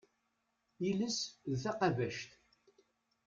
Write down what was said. Iles d taqabact.